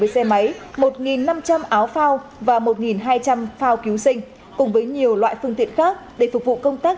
một mươi xe máy một năm trăm linh áo phao và một hai trăm linh phao cứu sinh cùng với nhiều loại phương tiện khác để phục vụ công tác